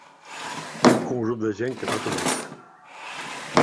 Un grup de gent que fa turisme.